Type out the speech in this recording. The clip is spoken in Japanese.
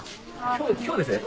今日ですね